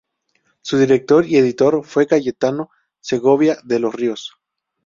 Su director y editor fue Cayetano Segovia de los Ríos.